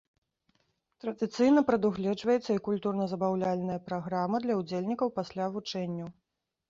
Традыцыйна прадугледжваецца і культурна-забаўляльная праграма для ўдзельнікаў пасля вучэнняў.